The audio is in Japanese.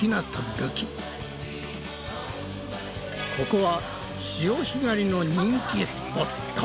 ここは潮干狩りの人気スポット！